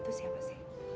itu siapa sih